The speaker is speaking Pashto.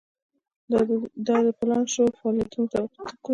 دا د پلان شوو فعالیتونو مطابقت ګوري.